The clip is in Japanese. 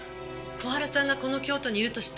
小春さんがこの京都にいると知ったから。